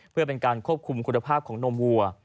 เพื่อเป็นการควบคุมคุณภาพของนมวัว